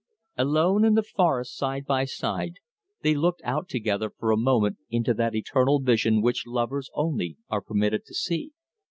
Alone in the forest side by side they looked out together for a moment into that eternal vision which lovers only are permitted to see.